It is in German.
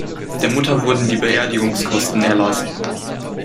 Der Mutter wurden die Beerdigungskosten erlassen.